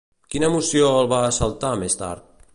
Quina emoció els va assaltar més tard?